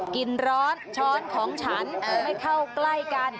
กินร้อนช้อนของฉันไม่เข้าใกล้กัน